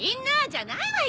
じゃないわよ。